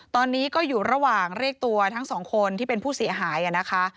ตอนนี้ก็อยู่ระหว่างเรียกตัวทั้งสองคนที่เป็นผู้เสียหายนะคะ